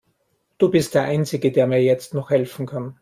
Du bist der einzige, der mir jetzt noch helfen kann.